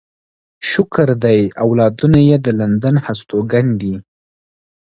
شکر دی اولادونه يې د لندن هستوګن دي.